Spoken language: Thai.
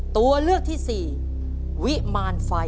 ตัวเลือกที่สี่วิมารไฟ